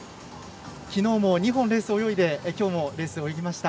きのう２本レースを泳いできょうもレース泳ぎました。